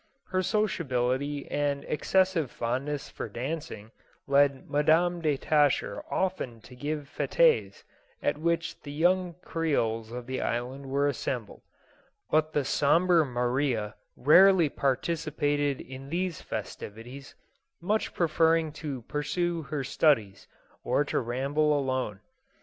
Her sociability and excessive fondness for dancing, led Madam de Tascher often to give fetes, at which the young Creoles of the island were assembled ; but the sombre Maria rarely participated in these festivities, much preferring to pursue her studies, or to ramble alone.